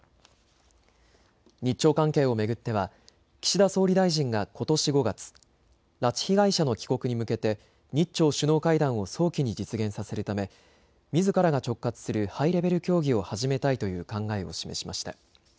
日朝関係を巡っては岸田総理大臣がことし５月、拉致被害者の帰国に向けて日朝首脳会談を早期に実現させるため、みずからが直轄するハイレベル協議を始めたいという考えを示しました。